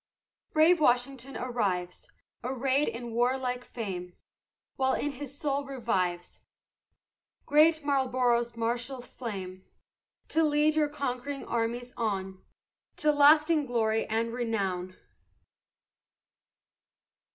Brave Washington arrives, Arrayed in warlike fame, While in his soul revives Great Marlboro's martial flame, To lead your conquering armies on To lasting glory and renown.